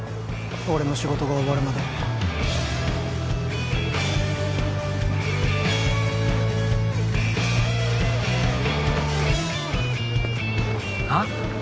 俺の仕事が終わるまであっ？